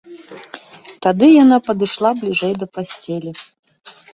Тады яна падышла бліжэй да пасцелі.